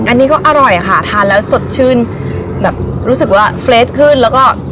อันนี้ก็อร่อยค่ะทานแล้วสดชื่นแบบรู้สึกว่าเฟรสขึ้นแล้วก็